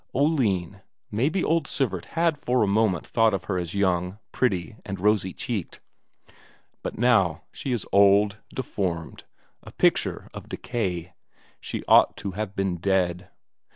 Oline maybe old Sivert had for a moment thought of her as young, pretty, and rosy cheeked, but now she is old, deformed, a picture of decay; she ought to have been dead.